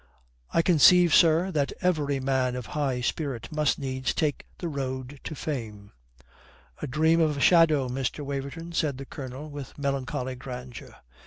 "I conceive, sir, that every man of high spirit must needs take the road to fame." "A dream of a shadow, Mr. Waverton," said the Colonel, with melancholy grandeur.